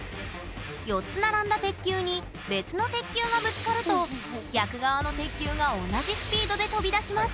４つ並んだ鉄球に別の鉄球がぶつかると逆側の鉄球が同じスピードで飛び出します